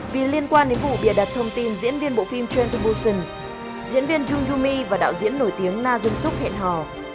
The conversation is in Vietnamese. vì liên quan đến vụ bịa đặt thông tin diễn viên bộ phim trenton wilson diễn viên jung yoo mi và đạo diễn nổi tiếng na jung suk hẹn hò